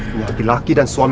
punya bumi laki dan suam